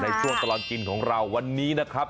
ช่วงตลอดกินของเราวันนี้นะครับ